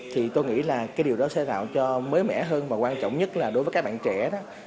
thì tôi nghĩ là cái điều đó sẽ tạo cho mới mẻ hơn và quan trọng nhất là đối với các bạn trẻ đó